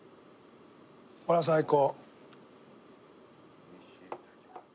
これ最高。